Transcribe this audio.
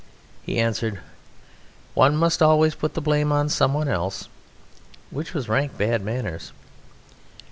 He answered: "One must always put the blame on some one else," which was rank bad manners.